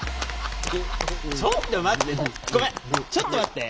ちょっと待って。